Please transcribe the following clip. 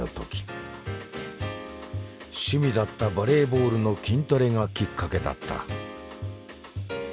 趣味だったバレーボールの筋トレがきっかけだった。